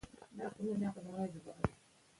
که علم په پښتو وي، نو د پوهیدلو پروسه اسانېږي.